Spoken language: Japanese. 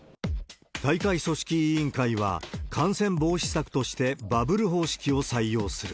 大会組織委員会は、感染防止策としてバブル方式を採用する。